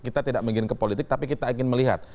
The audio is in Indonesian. kita tidak mengingin ke politik tapi kita ingin melihat